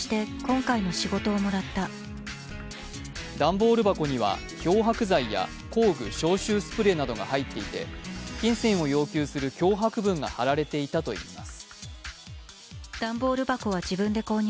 段ボール箱には漂白剤や工具・消臭スプレーなどが入っていて金銭を要求する脅迫文が貼られていたといいます。